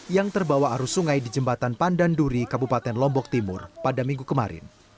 yang terbawa arus sungai di jembatan pandan duri kabupaten lombok timur pada minggu kemarin